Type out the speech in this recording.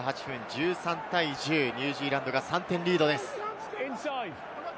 １３対１０、ニュージーランド、３点リードです。